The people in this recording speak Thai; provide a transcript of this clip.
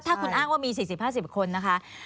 ถ้าคุณอ้างว่ามี๔๐๕๐คนนะคะ